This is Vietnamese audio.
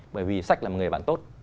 bởi vì sách là một người bạn tốt